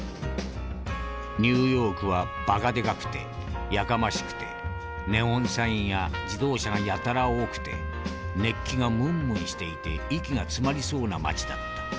「ニューヨークはばかでかくてやかましくてネオンサインや自動車がやたら多くて熱気がむんむんしていて息が詰まりそうな街だった。